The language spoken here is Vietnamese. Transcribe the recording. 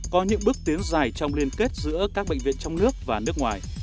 có những bước tiến dài trong liên kết giữa các bệnh viện trong nước và nước ngoài